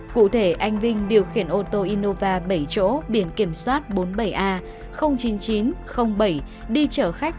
cụ thể anh vinh điều khiển ô tô innova bảy chỗ biển kiểm soát bốn mươi bảy a chín mươi chín bảy đi chở khách